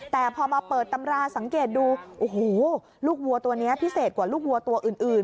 แต่พอมาเปิดตำราสังเกตดูโอ้โหลูกวัวตัวนี้พิเศษกว่าลูกวัวตัวอื่น